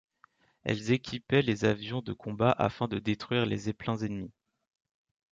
Elles équipaient les avions de combat afin de détruire les zeppelins ennemis.